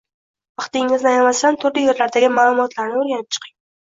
Vaqtingizni ayamasdan turli yerlardagi maʼlumotlarni oʻrganib chiqing.